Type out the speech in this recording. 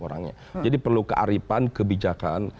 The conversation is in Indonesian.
orangnya jadi perlu kearifan kebijakan